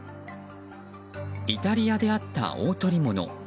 イタリアであった大捕物。